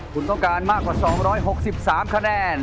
คุณต้องการมากกว่า๒๖๓คะแนน